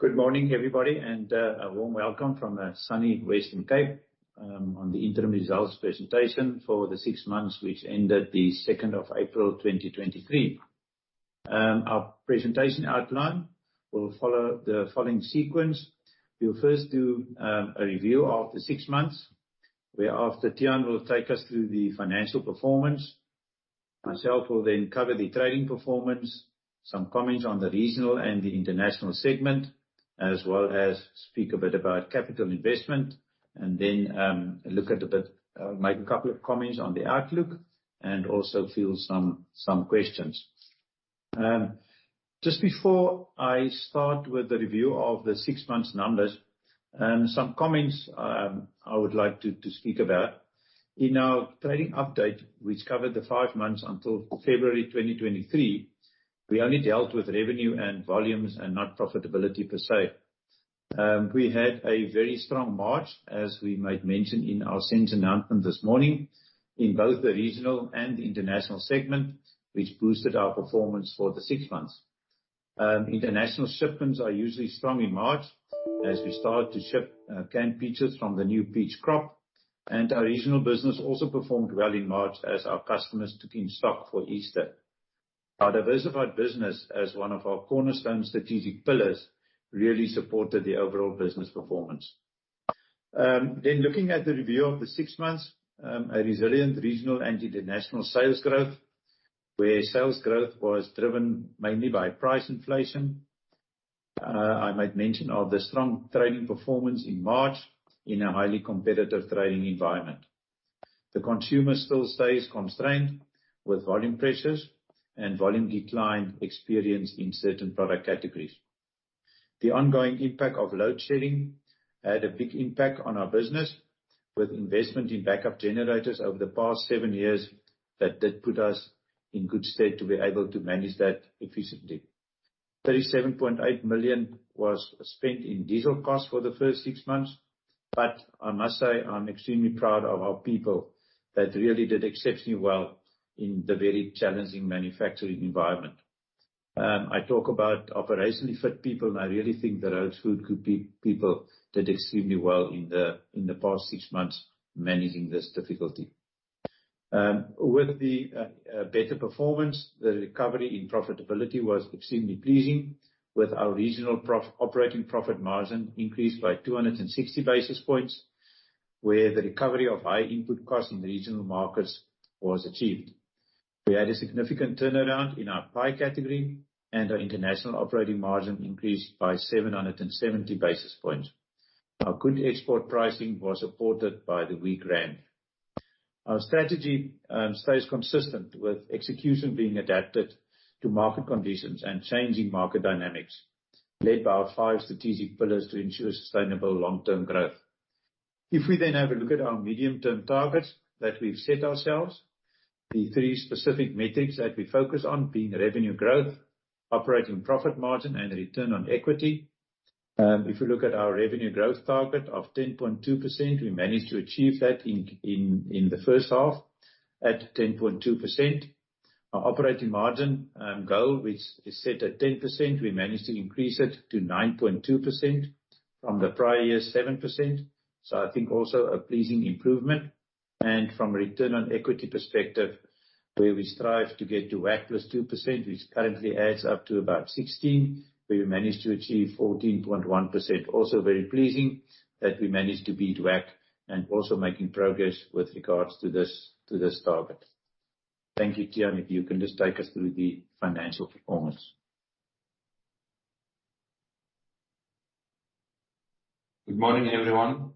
Good morning, everybody, a warm welcome from sunny Western Cape on the interim results presentation for the six months which ended the 2nd of April 2023. Our presentation outline will follow the following sequence. We'll first do a review of the six months, whereafter Tiaan will take us through the financial performance. Myself will then cover the trading performance, some comments on the regional and the international segment, as well as speak a bit about capital investment, make a couple of comments on the outlook and also field some questions. Just before I start with the review of the six months numbers, some comments I would like to speak about. In our trading update, which covered the five months until February 2023, we only dealt with revenue and volumes and not profitability per se. We had a very strong March, as we made mention in our SENS announcement this morning, in both the regional and the international segment, which boosted our performance for the six months. International shipments are usually strong in March as we start to ship canned peaches from the new peach crop, and our regional business also performed well in March as our customers took in stock for Easter. Our diversified business, as one of our cornerstone strategic pillars, really supported the overall business performance. Looking at the review of the six months, a resilient regional and international sales growth, where sales growth was driven mainly by price inflation. I might mention of the strong trading performance in March in a highly competitive trading environment. The consumer still stays constrained with volume pressures and volume decline experienced in certain product categories. The ongoing impact of load shedding had a big impact on our business with investment in backup generators over the past seven years that did put us in good stead to be able to manage that efficiently. 37.8 million was spent in diesel costs for the first six months. I must say, I'm extremely proud of our people that really did exceptionally well in the very challenging manufacturing environment. I talk about operationally fit people, and I really think that Rhodes Food Group people did extremely well in the past six months managing this difficulty. With the better performance, the recovery in profitability was extremely pleasing, with our regional operating profit margin increased by 260 basis points, where the recovery of high input costs in regional markets was achieved. We had a significant turnaround in our pie category, our international operating margin increased by 770 basis points. Our good export pricing was supported by the weak rand. Our strategy stays consistent with execution being adapted to market conditions and changing market dynamics, led by our five strategic pillars to ensure sustainable long-term growth. If we then have a look at our medium-term targets that we've set ourselves, the three specific metrics that we focus on being revenue growth, operating profit margin, and return on equity. If we look at our revenue growth target of 10.2%, we managed to achieve that in the first half at 10.2%. Our operating margin goal, which is set at 10%, we managed to increase it to 9.2% from the prior year's 7%, so I think also a pleasing improvement. From a return on equity perspective, where we strive to get to WACC + 2%, which currently adds up to about 16%, we managed to achieve 14.1%. Also very pleasing that we managed to beat WACC and also making progress with regards to this, to this target. Thank you. Tiaan, if you can just take us through the financial performance. Good morning, everyone.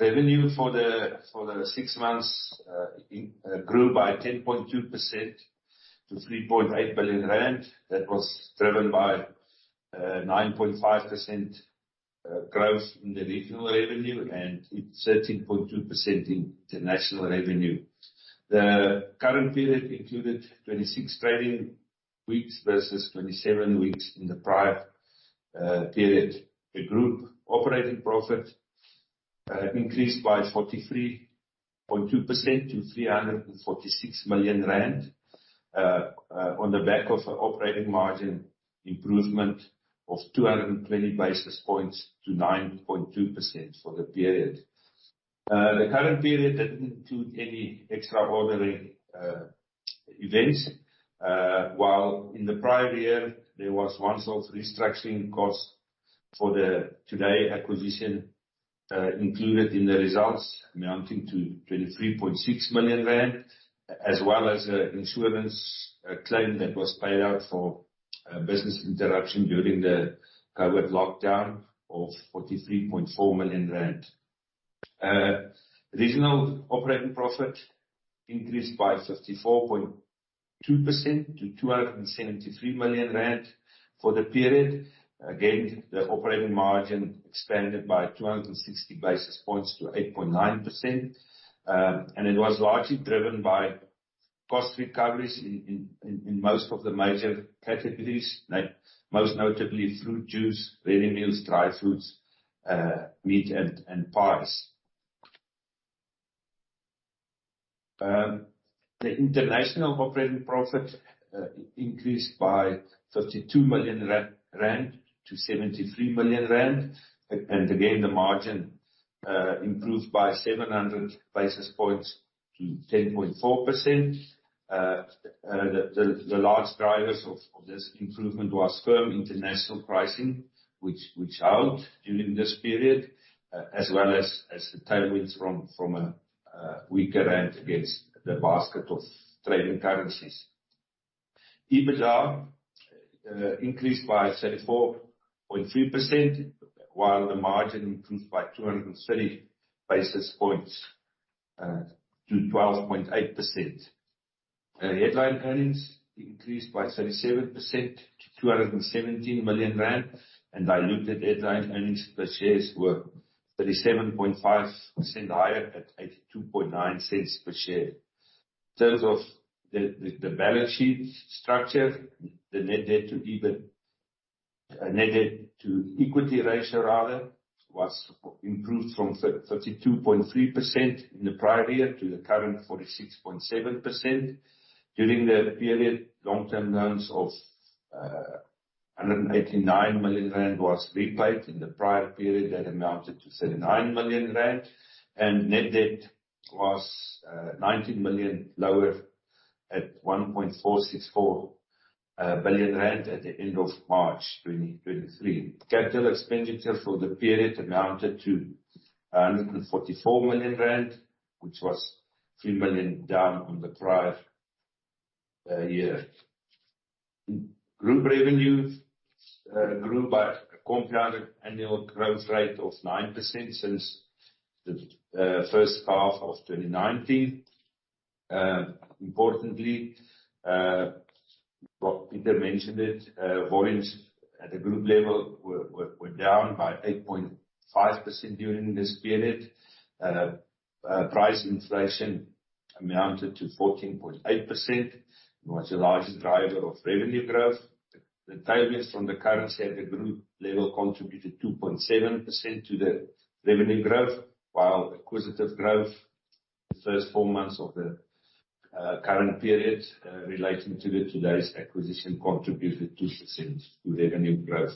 Revenue for the six months grew by 10.2% to 3.8 billion rand. That was driven by 9.5% growth in the regional revenue and 13.2% in the national revenue. The current period included 26 trading weeks versus 27 weeks in the prior period. The group operating profit increased by 43.2% to 346 million rand on the back of a operating margin improvement of 220 basis points to 9.2% for the period. The current period didn't include any extraordinary events. While in the prior year, there was once-off restructuring costs for the Today acquisition, included in the results amounting to 23.6 million rand, as well as an insurance claim that was paid out for business interruption during the COVID lockdown of 43.4 million rand. Regional operating profit increased by 54.2% to 273 million rand. For the period, again, the operating margin expanded by 260 basis points to 8.9%, and it was largely driven by cost recoveries in most of the major categories, like most notably fruit juice, ready meals, dry foods, meat, and pies. The international operating profit increased by 32 million-73 million rand. Again, the margin improved by 700 basis points to 10.4%. The large drivers of this improvement was firm international pricing, which held during this period, as well as the tailwinds from a weaker ZAR against the basket of trading currencies. EBITDA increased by 34.3%, while the margin improved by 230 basis points to 12.8%. Headline earnings increased by 37% to 217 million rand. Diluted headline earnings per shares were 37.5% higher at 0.829 per share. In terms of the balance sheet structure, the net debt to EBITDA, net debt to equity ratio rather, was improved from 32.3% in the prior year to the current 46.7%. During the period, long-term loans of 189 million rand was repaid. In the prior period, that amounted to 39 million rand. Net debt was 19 million lower at 1.464 billion rand at the end of March 2023. Capital expenditure for the period amounted to 144 million rand, which was 3 million down on the prior year. Group revenue grew by a compounded annual growth rate of 9% since the first half of 2019. Importantly, Pieter mentioned it, volumes at the group level were down by 8.5% during this period. Price inflation amounted to 14.8%, and was the largest driver of revenue growth. The tailwinds from the currency at the group level contributed 2.7% to the revenue growth, while acquisitive growth in the first four months of the current period relating to the Today's acquisition contributed 2% to the revenue growth.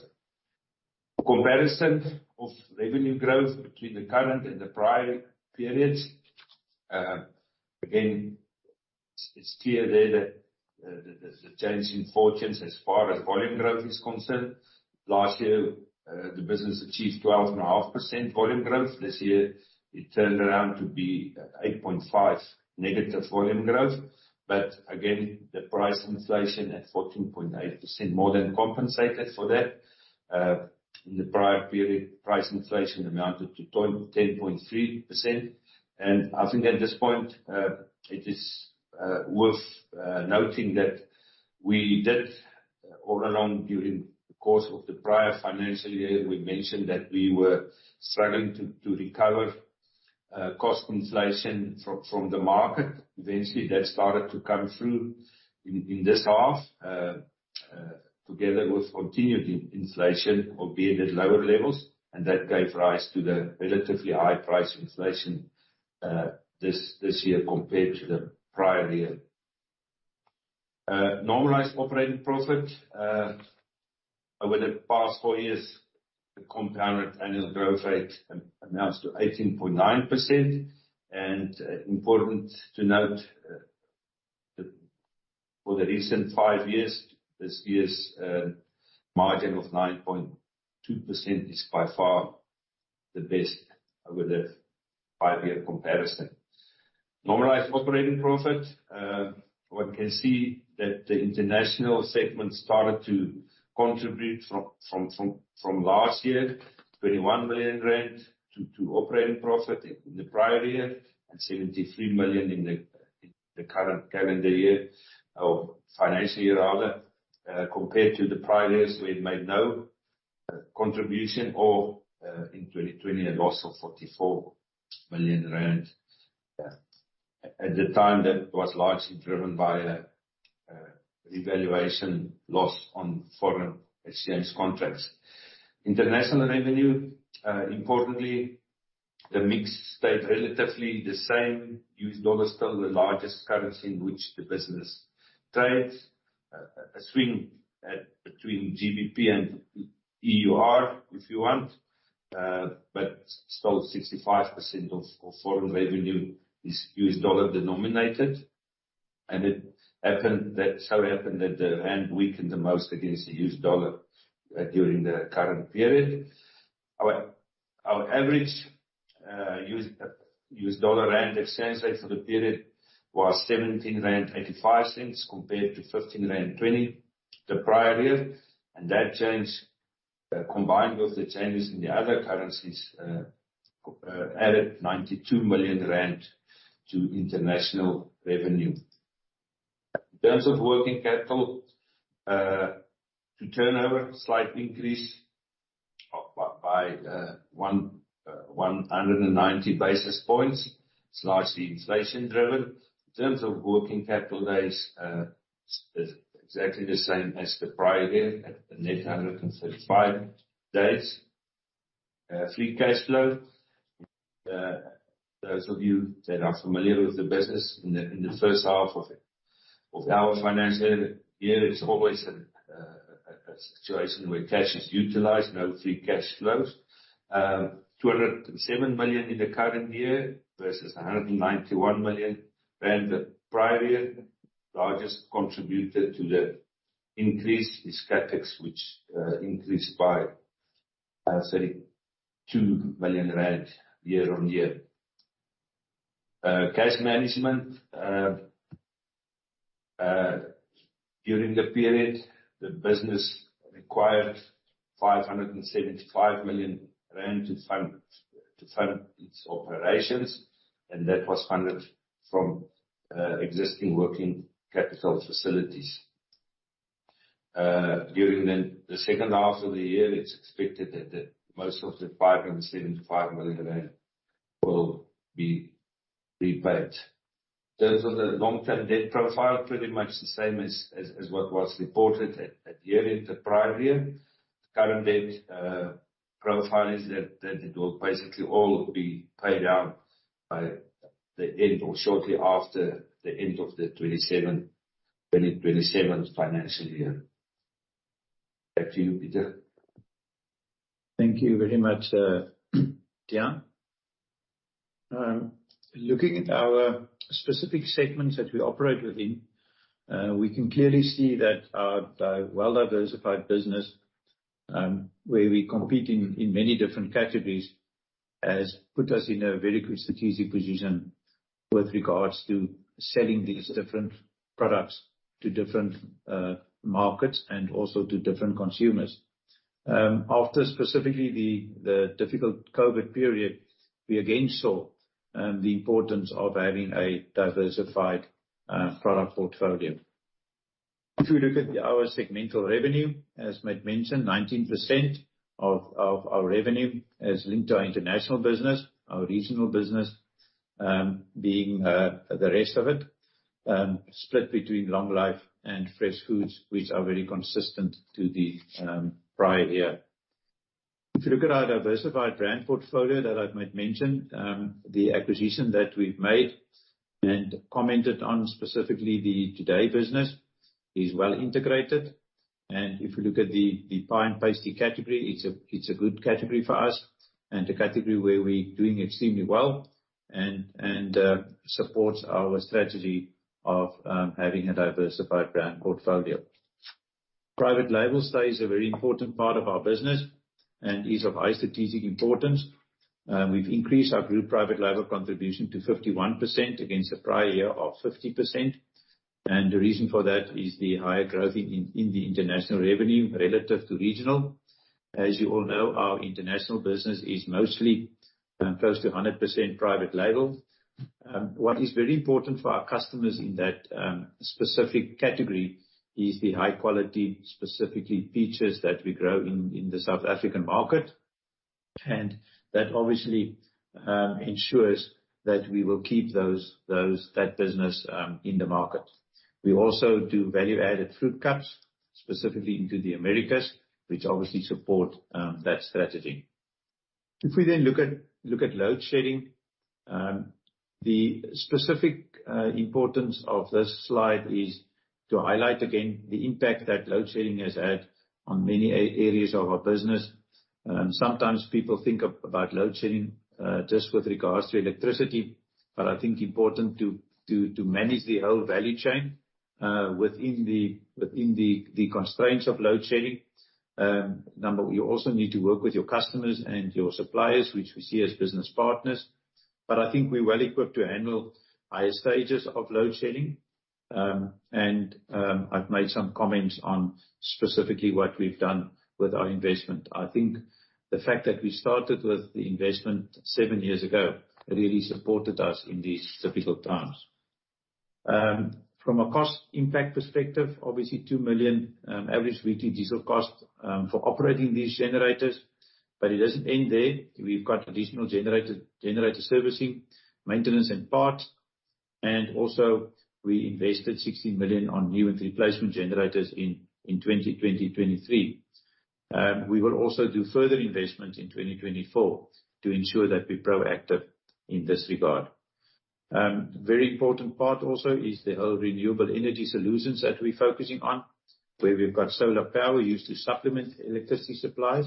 A comparison of revenue growth between the current and the prior periods. Again, it's clear there that there's a change in fortunes as far as volume growth is concerned. Last year, the business achieved 12.5% volume growth. This year it turned around to be 8.5% negative volume growth. Again, the price inflation at 14.8% more than compensated for that. In the prior period, price inflation amounted to 10.3%. I think at this point, it is worth noting that we did all along during the course of the prior financial year, we mentioned that we were struggling to recover cost inflation from the market. Eventually, that started to come through in this half, together with continued inflation, albeit at lower levels. That gave rise to the relatively high price inflation this year compared to the prior year. Normalized operating profit over the past four years, the compounded annual growth rate amounts to 18.9%. Important to note, for the recent five years, this year's margin of 9.2% is by far the best over the 5-year comparison. Normalized operating profit, one can see that the international segment started to contribute from last year, 21 million to operating profit in the prior year, and 73 million in the current calendar year, or financial year rather. Compared to the prior years, we had made no contribution, or in 2020 a loss of 44 million rand. At the time, that was largely driven by a revaluation loss on foreign exchange contracts. International revenue, importantly, the mix stayed relatively the same. U.S. dollar is still the largest currency in which the business trades. A swing between GBP and EUR, if you want, but still 65% of foreign revenue is US dollar denominated. It happened that so happened that the rand weakened the most against the US dollar during the current period. Our average US dollar rand exchange rate for the period was 17.85 rand compared to 15.20 rand the prior year. That change, combined with the changes in the other currencies, added 92 million rand to international revenue. In terms of working capital to turnover, slight increase of 190 basis points. It's largely inflation driven. In terms of working capital days, It's exactly the same as the prior year at a net 135 days. Free cash flow. Those of you that are familiar with the business, in the first half of our financial year, it's always a situation where cash is utilized, no free cash flows. 207 million in the current year versus 191 million Rand the prior year. Largest contributor to the increase is CapEx, which increased by 32 million Rand year-on-year. Cash management during the period, the business required 575 million Rand to fund its operations, and that was funded from existing working capital facilities. During the second half of the year, it's expected that the most of the 575 million Rand will be repaid. In terms of the long-term debt profile, pretty much the same as what was reported at year-end the prior year. Current debt profile is that it will basically all be paid down by the end or shortly after the end of the 2027 financial year. Back to you, Pieter. Thank you very much, Tiaan. Looking at our specific segments that we operate within, we can clearly see that our well-diversified business, where we compete in many different categories has put us in a very good strategic position with regards to selling these different products to different markets and also to different consumers. After specifically the difficult COVID period, we again saw the importance of having a diversified product portfolio. If you look at our segmental revenue, as Matt mentioned, 19% of our revenue is linked to our international business, our regional business, being the rest of it, split between Long-life Foods and Fresh Foods, which are very consistent to the prior year. If you look at our diversified brand portfolio that I've made mention, the acquisition that we've made and commented on specifically the Today business is well integrated. If you look at the Pie & Pastry category, it's a good category for us and a category where we're doing extremely well and supports our strategy of having a diversified brand portfolio. Private label stays a very important part of our business and is of high strategic importance. We've increased our group private label contribution to 51% against the prior year of 50%. The reason for that is the higher growth in the international revenue relative to regional. As you all know, our international business is mostly close to 100% private label. What is very important for our customers in that specific category is the high quality, specifically peaches that we grow in the South African market. That obviously ensures that we will keep those, that business in the market. We also do value-added fruit cups, specifically into the Americas, which obviously support that strategy. We look at load shedding, the specific importance of this slide is to highlight again the impact that load shedding has had on many areas of our business. Sometimes people think about load shedding just with regards to electricity, I think important to manage the whole value chain within the constraints of load shedding. We also need to work with your customers and your suppliers, which we see as business partners. I think we're well equipped to handle higher stages of load shedding. I've made some comments on specifically what we've done with our investment. I think the fact that we started with the investment seven years ago really supported us in these difficult times. From a cost impact perspective, obviously 2 million average weekly diesel cost for operating these generators, it doesn't end there. We've got additional generator servicing, maintenance and parts, and also we invested 60 million on new and replacement generators in 2023. We will also do further investments in 2024 to ensure that we're proactive in this regard. Very important part also is the whole renewable energy solutions that we're focusing on, where we've got solar power used to supplement electricity supplies,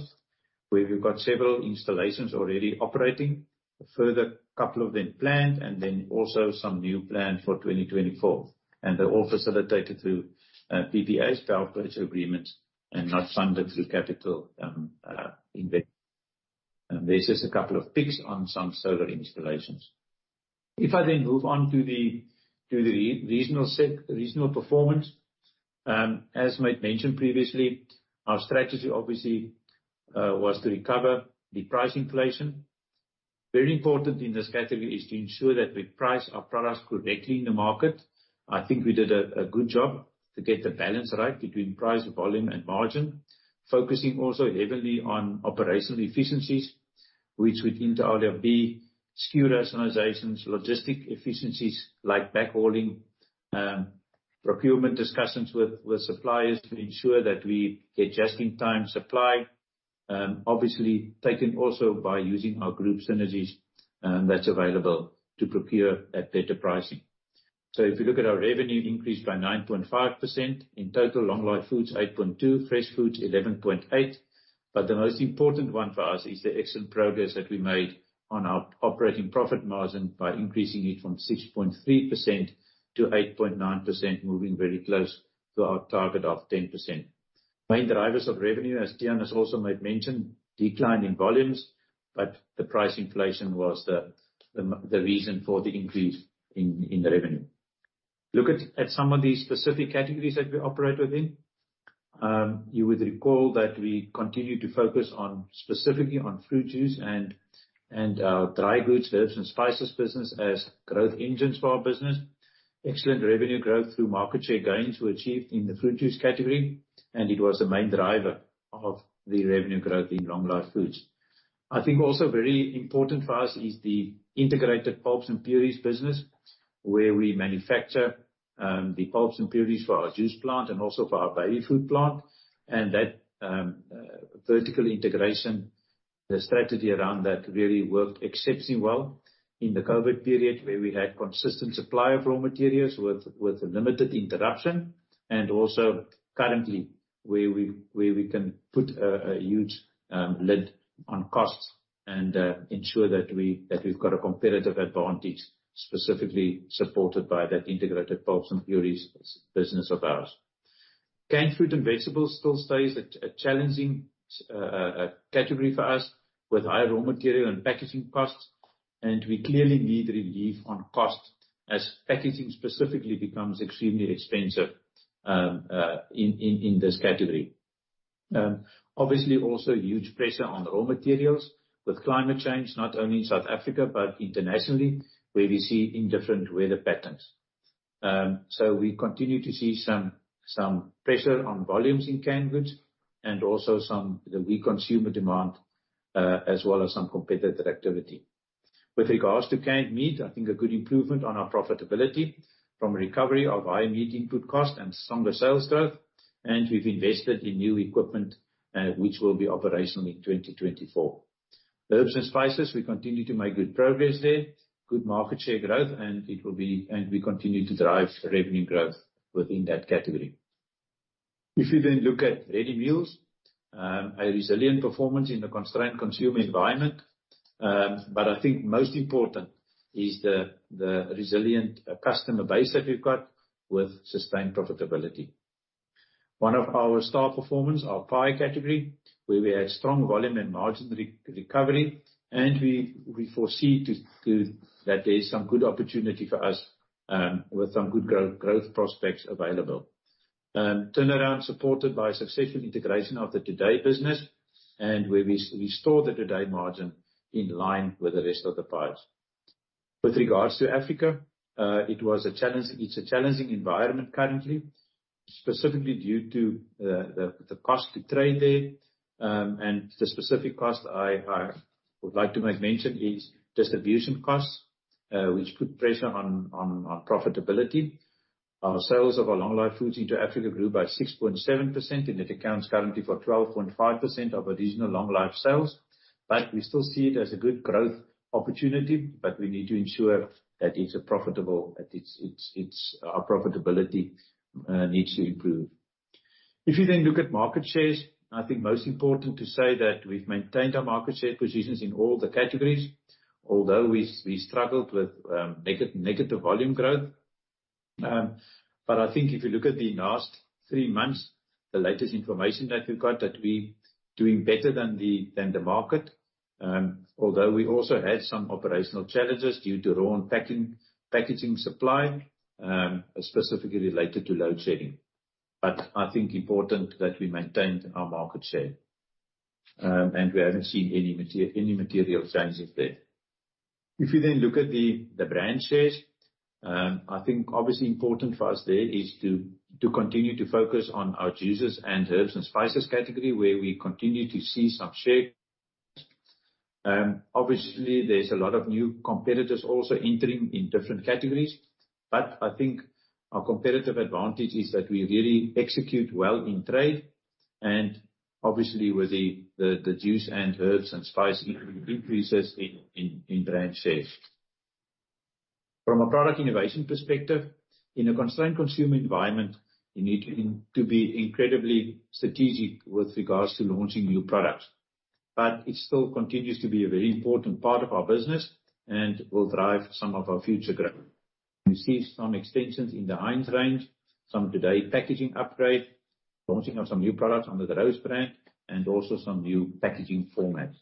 where we've got several installations already operating. A further couple of them planned and then also some new plan for 2024. They're all facilitated through PPAs, power purchase agreements, and not funded through capital invest. This is a couple of pics on some solar installations. If I then move on to the regional performance, as Matt mentioned previously, our strategy obviously was to recover the price inflation. Very important in this category is to ensure that we price our products correctly in the market. I think we did a good job to get the balance right between price, volume, and margin, focusing also heavily on operational efficiencies. Which we think are going to be SKU rationalizations, logistic efficiencies like backhauling, procurement discussions with suppliers to ensure that we get just-in-time supply, obviously taken also by using our group synergies, that's available to procure at better pricing. If you look at our revenue increase by 9.5%. In total, Long-life Foods, 8.2%, Fresh Foods 11.8%, the most important one for us is the excellent progress that we made on our operating profit margin by increasing it from 6.3%-8.9%, moving very close to our target of 10%. Main drivers of revenue, as Tiaan has also made mention, decline in volumes, the price inflation was the reason for the increase in the revenue. Look at some of these specific categories that we operate within. You would recall that we continue to focus on specifically on fruit juice and dry goods versus spices business as growth engines for our business. Excellent revenue growth through market share gains were achieved in the fruit juice category, it was the main driver of the revenue growth in Long-life Foods. I think also very important for us is the integrated pulps and purees business, where we manufacture the pulps and purees for our juice plant and also for our baby food plant. That vertical integration, the strategy around that really worked exceptionally well in the COVID period, where we had consistent supply of raw materials with limited interruption, and also currently where we can put a huge lid on costs and ensure that we've got a competitive advantage, specifically supported by that integrated pulps and purees business of ours. canned fruit and vegetables still stays a challenging category for us, with high raw material and packaging costs, and we clearly need relief on cost as packaging specifically becomes extremely expensive in this category. Obviously also huge pressure on raw materials with climate change, not only in South Africa, but internationally, where we see in different weather patterns. We continue to see some pressure on volumes in canned goods and also some, the weak consumer demand, as well as some competitive activity. With regards to canned meat, I think a good improvement on our profitability from recovery of high meat input cost and stronger sales growth. We've invested in new equipment, which will be operational in 2024. Herbs and spices, we continue to make good progress there. Good market share growth. We continue to drive revenue growth within that category. If you look at ready meals, a resilient performance in a constrained consumer environment. I think most important is the resilient customer base that we've got with sustained profitability. One of our star performance, our pie category, where we had strong volume and margin re-recovery. We foresee to that there is some good opportunity for us with some good growth prospects available. Turnaround supported by successful integration of the Today business and where we store the Today margin in line with the rest of the pies. With regards to Africa, it's a challenging environment currently, specifically due to the cost to trade there. The specific cost I would like to make mention is distribution costs, which put pressure on profitability. Our sales of our Long-life Foods into Africa grew by 6.7%. It accounts currently for 12.5% of additional Long-life sales. We still see it as a good growth opportunity, but we need to ensure that it's a profitable. Our profitability needs to improve. If you look at market shares, I think most important to say that we've maintained our market share positions in all the categories, although we struggled with negative volume growth. I think if you look at the last three months, the latest information that we've got that we doing better than the market, although we also had some operational challenges due to raw packing, packaging supply, specifically related to load shedding. I think important that we maintained our market share, and we haven't seen any material changes there. You then look at the brand shares, I think obviously important for us there is to continue to focus on our juices and herbs and spices category where we continue to see some share. Obviously there's a lot of new competitors also entering in different categories, but I think our competitive advantage is that we really execute well in trade, and obviously with the juice and herbs and spices increases in brand shares. From a product innovation perspective, in a constrained consumer environment, you need to be incredibly strategic with regards to launching new products. It still continues to be a very important part of our business and will drive some of our future growth. You see some extensions in the Heinz range, some Today packaging upgrade, launching of some new products under the Rhodes brand, and also some new packaging formats.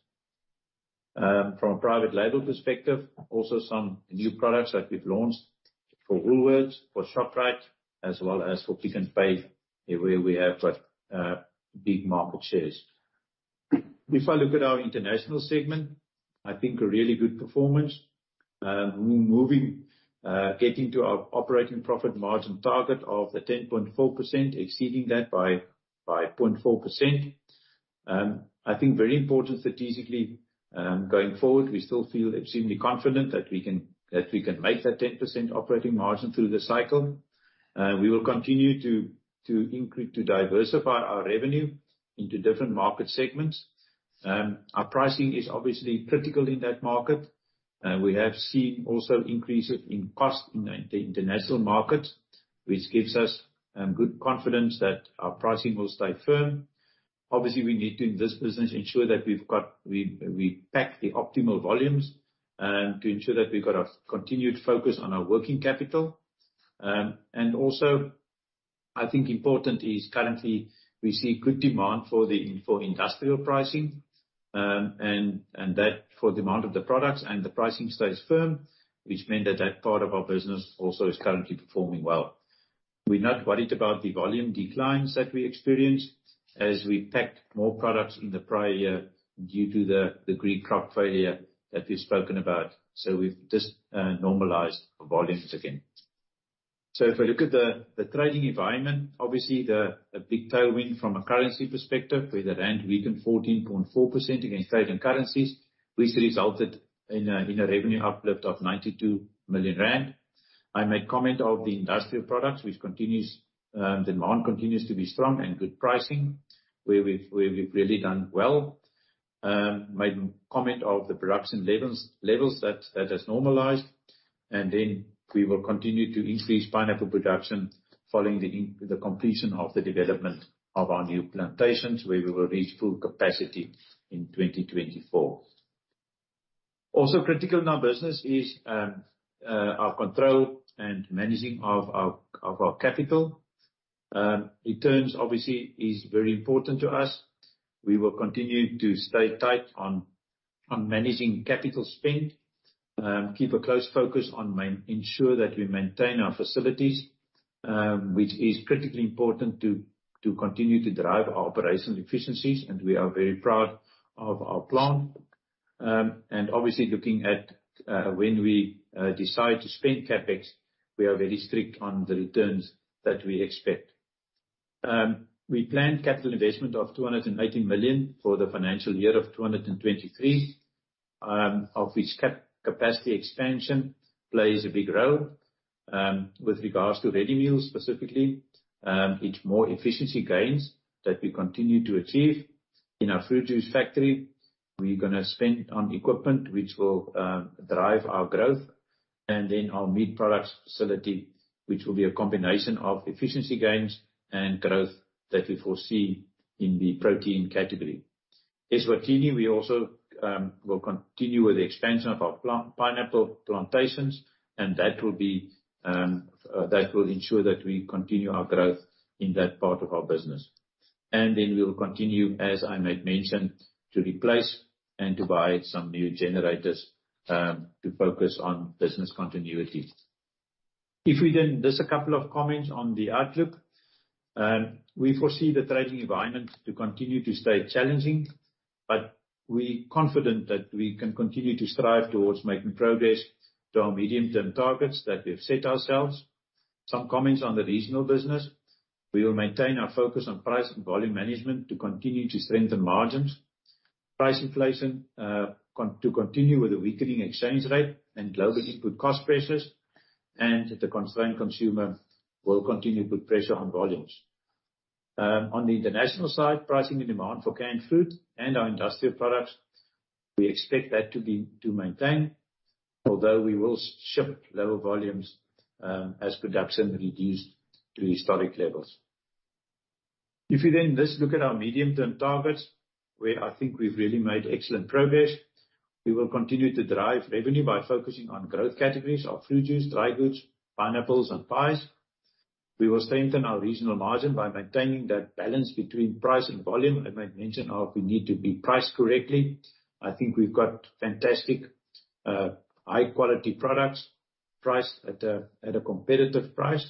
From a private label perspective, also some new products that we've launched for Woolworths, for Shoprite, as well as for Pick n Pay, everywhere we have got big market shares. If I look at our international segment, I think a really good performance. Moving, getting to our operating profit margin target of the 10.4%, exceeding that by 0.4%. I think very important strategically, going forward, we still feel extremely confident that we can make that 10% operating margin through the cycle. We will continue to diversify our revenue into different market segments. Our pricing is obviously critical in that market. We have seen also increases in cost in the international market, which gives us good confidence that our pricing will stay firm. Obviously, we need to, in this business, ensure that we pack the optimal volumes to ensure that we've got a continued focus on our working capital. Also I think important is currently we see good demand for the, for industrial pricing. That for demand of the products and the pricing stays firm, which mean that that part of our business also is currently performing well. We're not worried about the volume declines that we experience as we packed more products in the prior year due to the grape crop failure that we've spoken about. We've just normalized our volumes again. If we look at the trading environment, obviously a big tailwind from a currency perspective, where the rand weakened 14.4% against trade and currencies, which resulted in a revenue uplift of 92 million rand. I made comment of the industrial products, which continues, demand continues to be strong and good pricing, where we've really done well. Made comment of the production levels that has normalized. We will continue to increase pineapple production following the completion of the development of our new plantations, where we will reach full capacity in 2024. Also critical in our business is our control and managing of our capital. Returns obviously is very important to us. We will continue to stay tight on managing capital spend. Keep a close focus on ensure that we maintain our facilities, which is critically important to continue to drive our operational efficiencies. We are very proud of our plan. Obviously looking at when we decide to spend CapEx, we are very strict on the returns that we expect. We planned capital investment of 280 million for the financial year of 2023, of which capacity expansion plays a big role with regards to ready meals specifically. It's more efficiency gains that we continue to achieve. In our fruit juice factory, we're gonna spend on equipment which will drive our growth. Our meat products facility, which will be a combination of efficiency gains and growth that we foresee in the protein category. Eswatini, we also will continue with the expansion of our pineapple plantations, that will ensure that we continue our growth in that part of our business. We will continue, as I made mention, to replace and to buy some new generators, to focus on business continuity. Just a couple of comments on the outlook. We foresee the trading environment to continue to stay challenging, but we're confident that we can continue to strive towards making progress to our medium-term targets that we've set ourselves. Some comments on the regional business. We will maintain our focus on price and volume management to continue to strengthen margins. Price inflation to continue with the weakening exchange rate and global input cost pressures. The constrained consumer will continue to put pressure on volumes. On the international side, pricing and demand for canned fruit and our industrial products, we expect that to maintain. Although we will ship lower volumes, as production reduced to historic levels. If we then just look at our medium-term targets, where I think we've really made excellent progress. We will continue to drive revenue by focusing on growth categories of fruit juice, Dry goods, pineapples, and pies. We will strengthen our regional margin by maintaining that balance between price and volume. I made mention of we need to be priced correctly. I think we've got fantastic, high-quality products priced at a competitive price.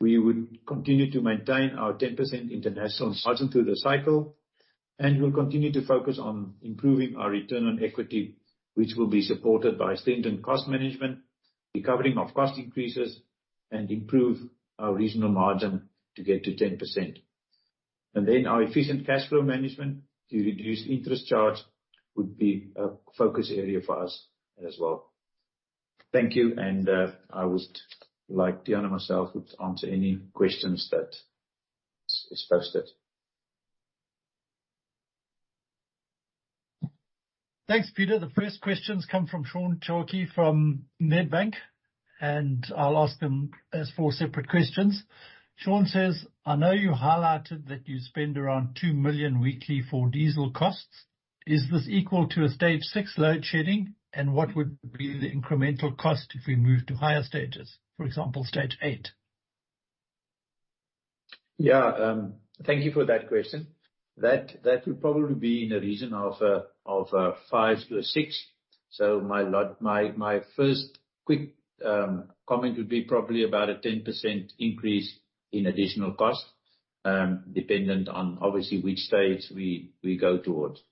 We would continue to maintain our 10% international margin through the cycle. We'll continue to focus on improving our return on equity, which will be supported by strengthened cost management, recovering of cost increases, and improve our regional margin to get to 10%. Our efficient cash flow management to reduce interest charge would be a focus area for us as well. Thank you. I would like Tiaan myself would answer any questions that is posted. Thanks, Pieter. The first questions come from Sean Holmes from Nedbank, and I'll ask them as four separate questions. Sean says, "I know you highlighted that you spend around 2 million weekly for diesel costs. Is this equal to a stage six load shedding? What would be the incremental cost if we move to higher stages, for example, stage eight? Thank you for that question. That would probably be in the region of five to six. My first quick comment would be probably about a 10% increase in additional cost. Dependent on obviously which stage we go towards.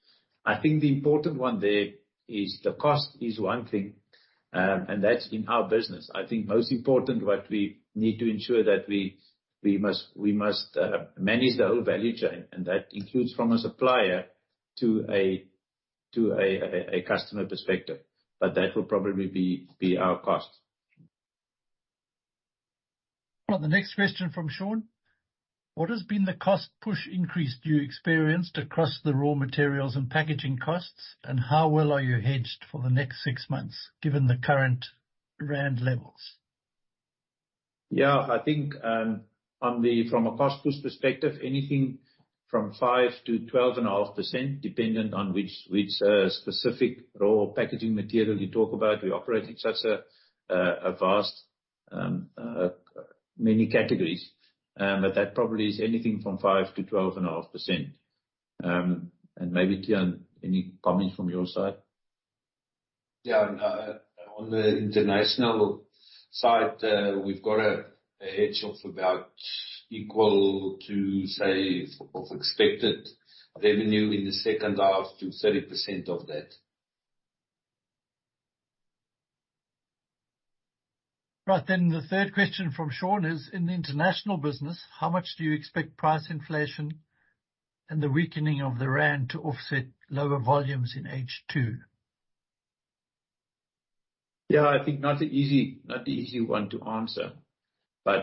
I think the important one there is the cost is one thing, and that's in our business. I think most important what we need to ensure that we must manage the whole value chain, and that includes from a supplier to a customer perspective. That will probably be our cost. The next question from Sean: What has been the cost push increase you experienced across the raw materials and packaging costs, and how well are you hedged for the next six months given the current rand levels? Yeah. I think, From a cost push perspective, anything from 5%-12.5%, dependent on which specific raw packaging material you talk about. We operate in such a vast, many categories. That probably is anything from 5%-12.5%. Maybe, Tiaan, any comment from your side? Yeah. On the international side, we've got a hedge of about equal to, say, of expected revenue in the second half to 30% of that. Right. The third question from Sean is: In the international business, how much do you expect price inflation and the weakening of the Rand to offset lower volumes in H2? I think not an easy, not an easy one to answer.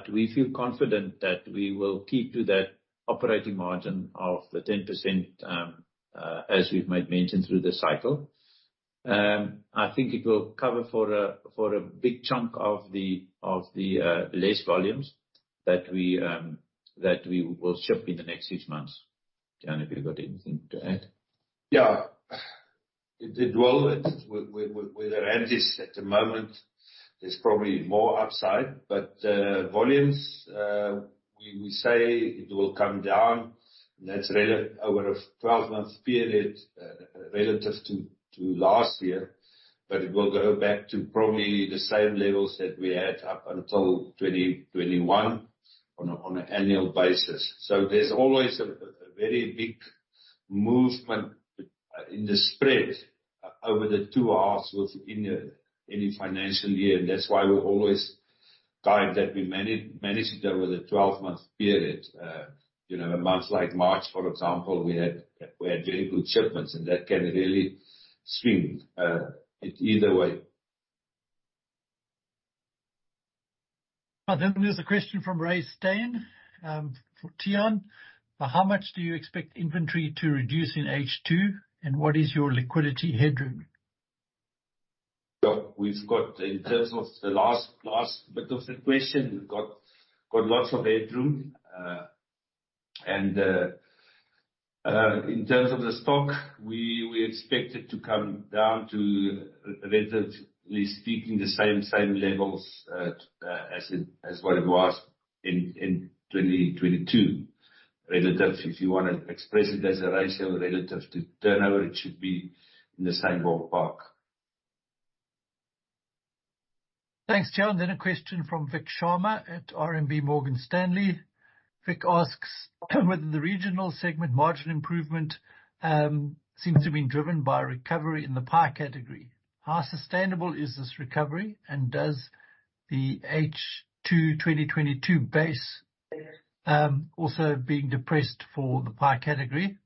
We feel confident that we will keep to that operating margin of the 10%, as we've made mention through the cycle. I think it will cover for a, for a big chunk of the, of the, less volumes that we, that we will ship in the next six months. Tiaan, have you got anything to add? Yeah. It will. With the Rand as at the moment, there's probably more upside. Volumes, we say it will come down, and that's really over a 12-month period relative to last year. It will go back to probably the same levels that we had up until 2021 on an annual basis. There's always a very big movement in the spread over the two halves within any financial year. That's why we always guide that we manage it over the 12-month period. You know, a month like March, for example, we had very good shipments and that can really swing it either way. There's a question from Ray Stain, for Tiaan. By how much do you expect inventory to reduce in H2, and what is your liquidity headroom? Well, we've got. In terms of the last bit of the question, we've got lots of headroom. In terms of the stock, we expect it to come down to relatively speaking, the same levels, as what it was in 2022 relative. If you wanna express it as a ratio relative to turnover, it should be in the same ballpark. Thanks, Tiaan. A question from Vikhyat Sharma at RMB Morgan Stanley. Vik asks whether the regional segment margin improvement seems to been driven by a recovery in the pie category. How sustainable is this recovery, and does the H2 2022 base also being depressed for the pie category?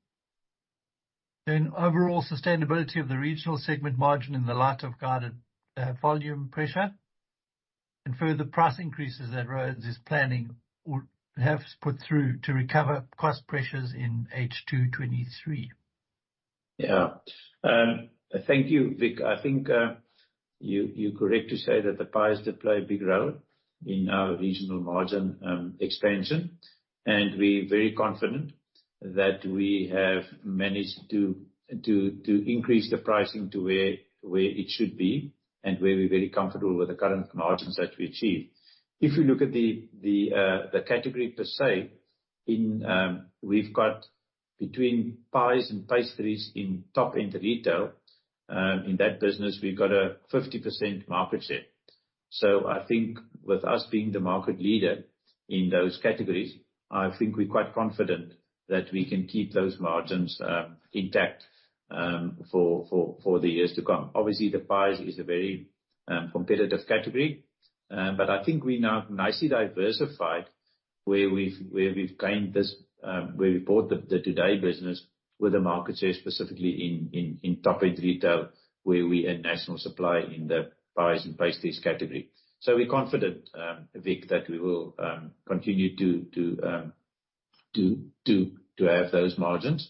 Overall sustainability of the regional segment margin in the light of guided volume pressure and further price increases that Rhodes is planning or perhaps put through to recover cost pressures in H2 2023? Yeah. Thank you, Vik. I think you're correct to say that the pies did play a big role in our regional margin expansion, and we're very confident that we have managed to increase the pricing to where it should be and where we're very comfortable with the current margins that we achieve. If you look at the category per se, in. We've got between pies and pastries in top-end retail, in that business, we've got a 50% market share. I think with us being the market leader in those categories, I think we're quite confident that we can keep those margins intact for the years to come. Obviously, the pies is a very competitive category, but I think we now nicely diversified where we've gained this. Where we bought the Today business with a market share specifically in top-end retail where we a national supplier in the pies and pastries category. We're confident, Vik, that we will continue to have those margins.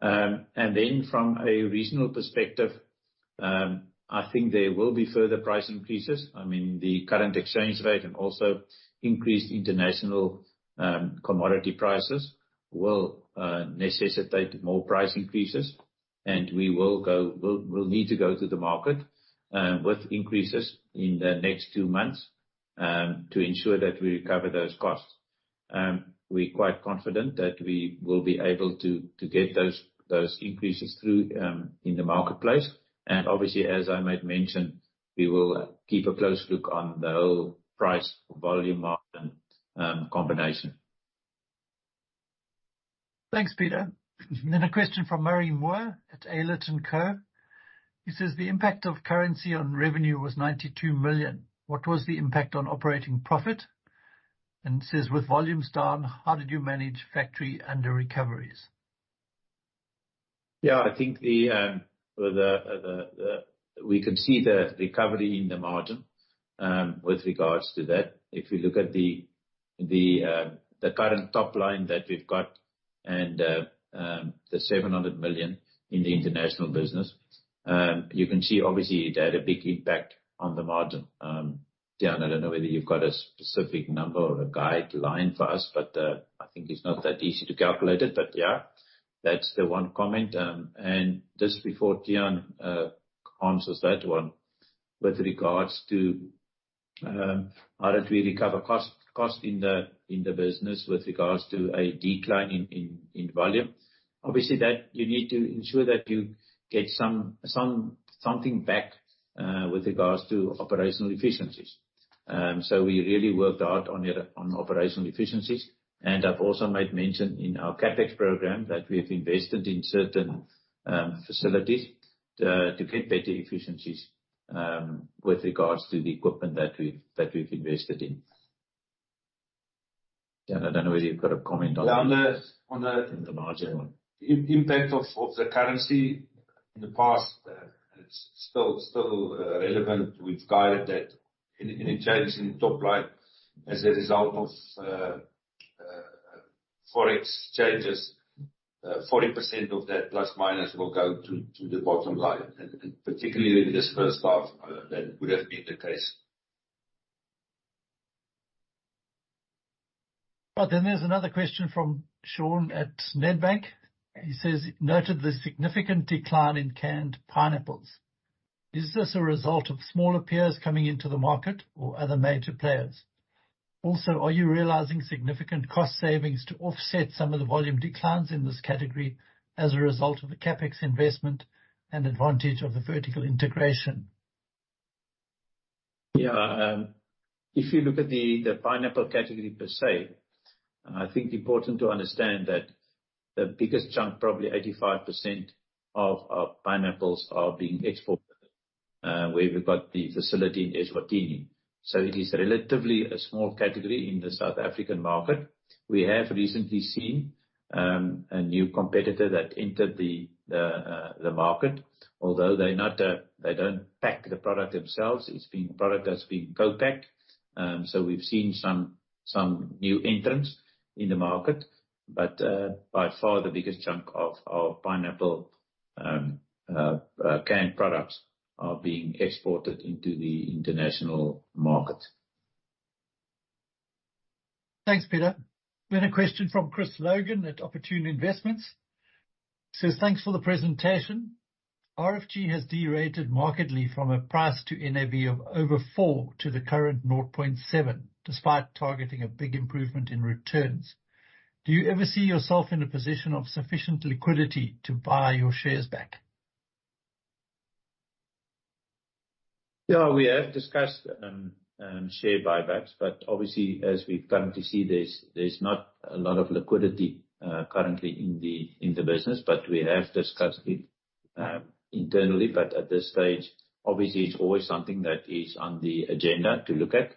From a regional perspective, I think there will be further price increases. I mean, the current exchange rate and also increased international commodity prices will necessitate more price increases. We'll need to go to the market with increases in the next two months to ensure that we recover those costs. We're quite confident that we will be able to get those increases through in the marketplace. Obviously, as I made mention. We will keep a close look on the whole price volume margin combination. Thanks, Pieter. A question from Marie Moore at Aylward & Co. He says the impact of currency on revenue was 92 million. What was the impact on operating profit? Says, with volumes down, how did you manage factory under recoveries? Yeah, I think the We could see the recovery in the margin with regards to that. If you look at the current top line that we've got and the 700 million in the international business, you can see obviously it had a big impact on the margin. Tiaan, I don't know whether you've got a specific number or a guideline for us, but I think it's not that easy to calculate it. Yeah, that's the one comment. Just before Tiaan answers that one, with regards to how did we recover cost in the business with regards to a decline in volume. Obviously, that you need to ensure that you get something back with regards to operational efficiencies. We really worked hard on it, on operational efficiencies. I've also made mention in our CapEx program that we have invested in certain facilities to get better efficiencies with regards to the equipment that we've invested in. Tiaan, I don't know whether you've got a comment on the- On the, on the- On the margin one.... impact of the currency in the past, it's still relevant. We've guided that any changes in the top line as a result of Forex changes, 40% of that plus minus will go to the bottom line. Particularly in this first half, that would have been the case. There's another question from Sean at Nedbank. He says, noted the significant decline in canned pineapples. Is this a result of smaller peers coming into the market or other major players? Also, are you realizing significant cost savings to offset some of the volume declines in this category as a result of the CapEx investment and advantage of the vertical integration? Yeah. If you look at the pineapple category per se, I think important to understand that the biggest chunk, probably 85% of our pineapples are being exported, where we've got the facility in Eswatini. It is relatively a small category in the South African market. We have recently seen a new competitor that entered the market. Although they're not, they don't pack the product themselves. It's been product that's been co-packed. We've seen some new entrants in the market. By far the biggest chunk of our pineapple canned products are being exported into the international market. Thanks, Pieter. A question from Chris Logan at Opportune Investments. Says, thanks for the presentation. RFG has derated markedly from a price to NAV of over four to the current 0.7, despite targeting a big improvement in returns. Do you ever see yourself in a position of sufficient liquidity to buy your shares back? Yeah, we have discussed share buybacks, but obviously as we currently see, there's not a lot of liquidity currently in the business. We have discussed it internally. At this stage, obviously it's always something that is on the agenda to look at.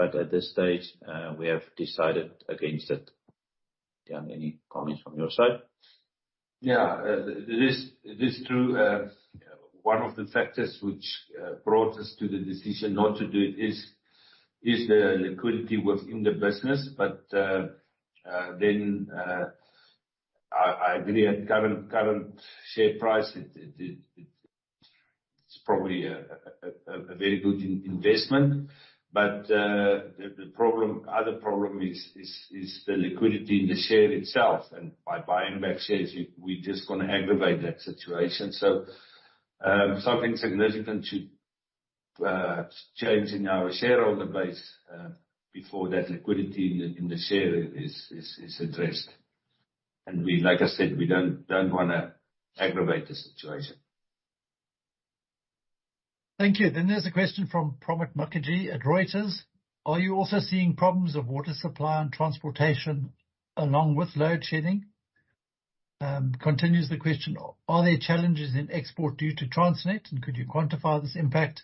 At this stage, we have decided against it. Tiaan, any comments from your side? Yeah. It is true. One of the factors which brought us to the decision not to do it is the liquidity within the business. I agree at current share price it's probably a very good in-investment. The problem, other problem is the liquidity in the share itself. By buying back shares, we just gonna aggravate that situation. Something significant should change in our shareholder base before that liquidity in the share is addressed. We, like I said, we don't wanna aggravate the situation. Thank you. There's a question from Promit Mukherjee at Reuters. Are you also seeing problems of water supply and transportation along with load shedding? continues the question, are there challenges in export due to Transnet, and could you quantify this impact?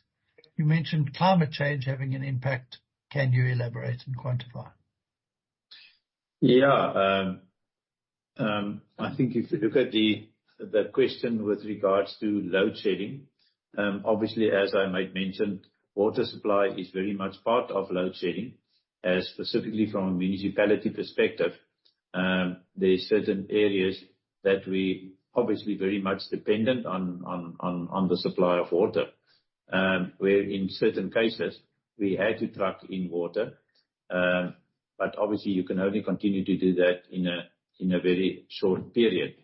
You mentioned climate change having an impact, can you elaborate and quantify? Yeah. I think if you look at the question with regards to load shedding, obviously as I might mentioned, water supply is very much part of load shedding, as specifically from a municipality perspective. There are certain areas that we obviously very much dependent on the supply of water, where in certain cases we had to truck in water. Obviously you can only continue to do that in a, in a very short period.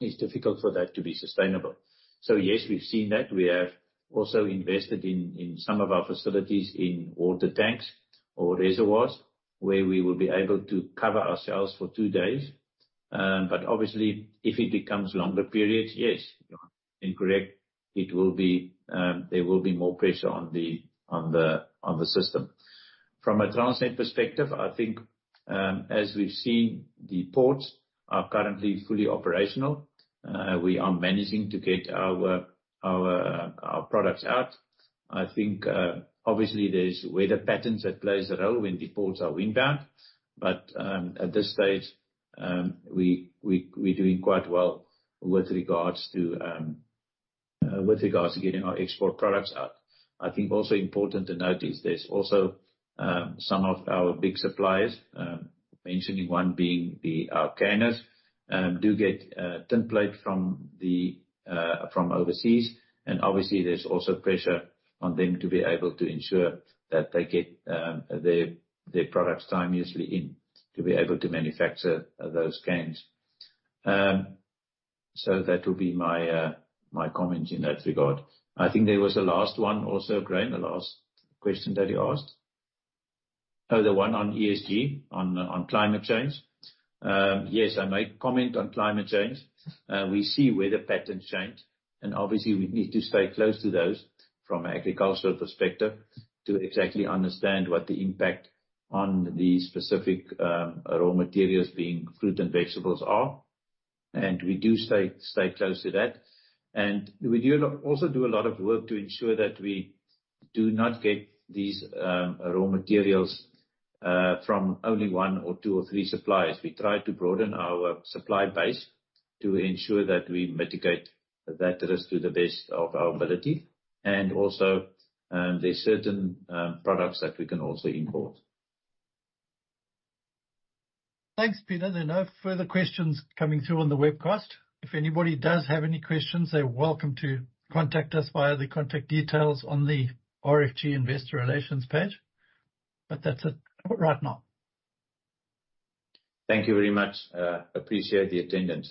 It's difficult for that to be sustainable. Yes, we've seen that. We have also invested in some of our facilities in water tanks or reservoirs, where we will be able to cover ourselves for two days. Obviously if it becomes longer periods, yes, you are incorrect. It will be, there will be more pressure on the system. From a Transnet perspective, I think, as we've seen, the ports are currently fully operational. We are managing to get our products out. I think, obviously there is weather patterns that plays a role when the ports are wind bound. At this stage, we're doing quite well with regards to getting our export products out. I think also important to note is there's also some of our big suppliers, mentioning one being the canners, do get tin plate from overseas. Obviously there's also pressure on them to be able to ensure that they get their products timeously in to be able to manufacture those cans. That will be my comment in that regard. I think there was a last one also, Graham, the last question that you asked. Oh, the one on ESG, on climate change. Yes, I might comment on climate change. We see weather patterns change, obviously we need to stay close to those from an agricultural perspective to exactly understand what the impact on the specific raw materials being fruit and vegetables are. We do stay close to that. We also do a lot of work to ensure that we do not get these raw materials from only one or two or three suppliers. We try to broaden our supply base to ensure that we mitigate that risk to the best of our ability. Also, there's certain products that we can also import. Thanks, Pieter. There are no further questions coming through on the webcast. If anybody does have any questions, they're welcome to contact us via the contact details on the RFG Investor Relations page. That's it for right now. Thank you very much. Appreciate the attendance.